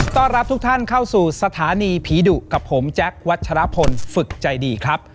ต้อนรับทุกท่านเข้าสู่สถานีผีดุกับผมแจ๊ควัชรพลฝึกใจดีครับ